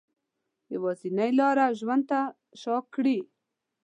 یوازینۍ لاره ژوند ته شا کړي